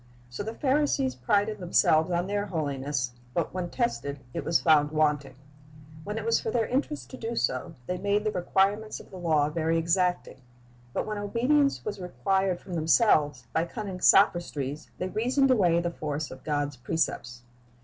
So the Pharisees prided themselves on their holiness, but when tested, it was found wanting. When it was for their interest to do so, they made the requirements of the law very exacting; but when obedience was required from them selves, by cunning sophistries they reasoned away the force of God's precepts.